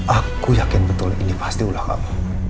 aku yakin betul ini pasti ulah kamu